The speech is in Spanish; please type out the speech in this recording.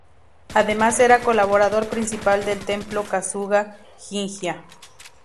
Además era colaborador principal del Templo Kasuga-Ginngia.